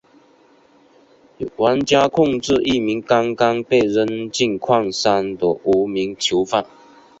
玩家控制一名刚刚被扔进矿山的无名囚犯。